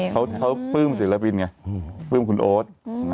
เขาปลื้มศิลปินไงปลื้มคุณโอ๊ต